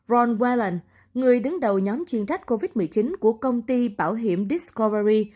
ron whalen người đứng đầu nhóm chuyên trách covid một mươi chín của công ty bảo hiểm discovery